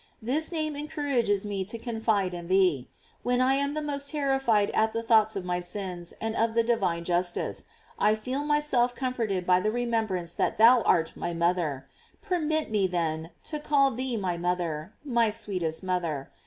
This name en courages me to confide in thee. When I am the most terrified at the thought of my sins and of the divine justice, I feel myself comforted by the remembrance that thou art my mother, Permit ms, then, to call thee my mother, my sweetest mother.